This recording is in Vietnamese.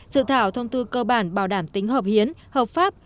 sự thảo thông tư cơ bản bảo đảm tính hợp hiến hợp pháp